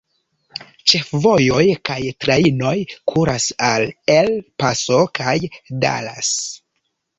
Ĉefvojoj kaj trajnoj kuras al El Paso kaj Dallas.